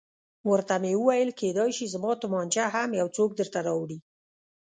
ورته ومې ویل کېدای شي زما تومانچه هم یو څوک درته راوړي.